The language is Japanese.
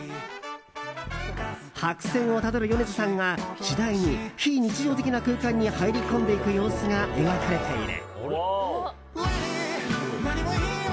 白線をたどる米津さんが次第に非日常的な空間に入り込んでいく様子が描かれている。